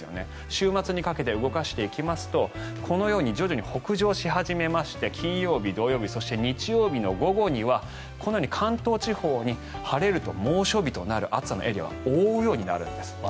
週末にかけて動かしていきますとこのように徐々に北上し始めまして金曜日、土曜日そして日曜日の午後にはこのように関東地方に晴れると猛暑日となる暑さのエリア覆うようになるんです。